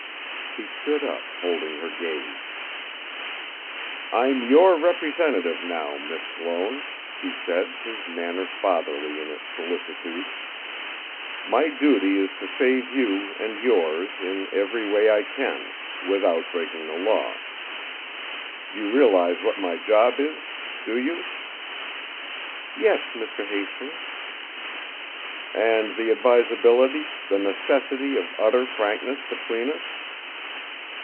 He stood up, holding her gaze. "I'm your representative now, Miss Sloane," he said, his manner fatherly in its solicitude. "My duty is to save you, and yours, in every way I can without breaking the law. You realize what my job is do you?" "Yes, Mr. Hastings." "And the advisability, the necessity, of utter frankness between us?"